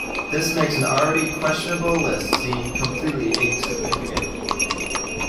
"This makes an already questionable list seem completely insignificant".